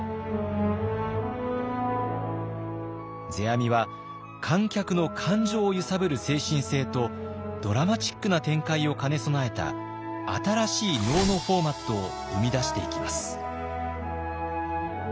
世阿弥は観客の感情を揺さぶる精神性とドラマチックな展開を兼ね備えた新しい能のフォーマットを生み出していきます。